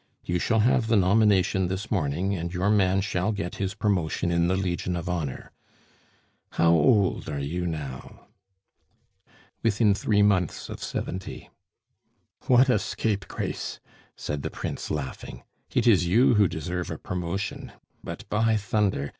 You shall have the nomination this morning, and your man shall get his promotion in the Legion of Honor. How old are you now?" "Within three months of seventy." "What a scapegrace!" said the Prince, laughing. "It is you who deserve a promotion, but, by thunder!